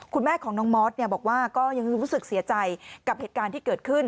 คุณแม่ของน้องมอสบอกว่าก็ยังรู้สึกเสียใจกับเหตุการณ์ที่เกิดขึ้น